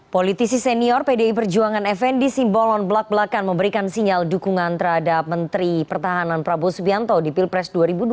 politisi senior pdi perjuangan fnd simbolon belak belakan memberikan sinyal dukungan terhadap menteri pertahanan prabowo subianto di pilpres dua ribu dua puluh